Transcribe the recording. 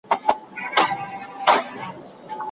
دا استاد د محصل د موضوع په اړه معلومات راټولوي.